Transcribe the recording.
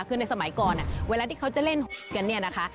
คือในสมัยก่อนเวลาที่เขาจะเล่นค่ะ